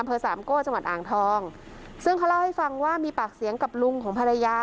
สามโก้จังหวัดอ่างทองซึ่งเขาเล่าให้ฟังว่ามีปากเสียงกับลุงของภรรยา